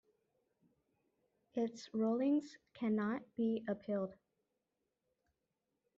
Its rulings cannot be appealed.